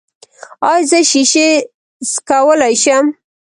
ایا زه شیشې څکولی شم؟